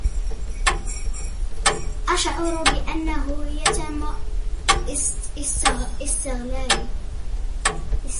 أشعرُ بأنه يتم استغلالي.